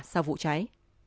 sau vụ cháy